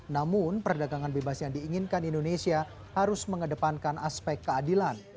namun perdagangan bebas yang diinginkan indonesia harus mengedepankan aspek keadilan